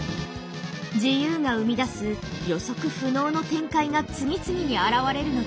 自由が生み出す予測不能の展開が次々に現れるのだ。